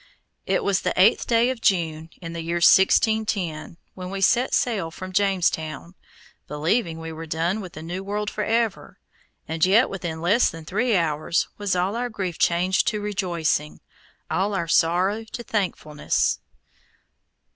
It was the eighth day of June, in the year 1610, when we set sail from Jamestown, believing we were done with the new world forever, and yet within less than three hours was all our grief changed to rejoicing, all our sorrow to thankfulness.